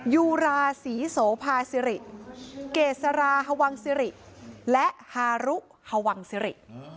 ยูราศรีโสภาสิริเกษราฮวังซิริและฮารุฮวังซิริ